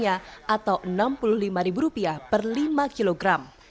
atau rp enam puluh lima per lima kilogram